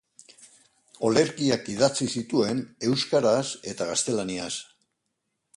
Olerkiak idatzi zituen euskaraz eta gaztelaniaz.